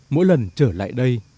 mỗi lần trở lại đây